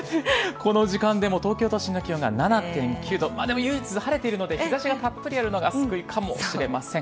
この時間でも東京都心の気温が７．９度、でも唯一、晴れているので日ざしがたっぷりあるのが救いかもしれません。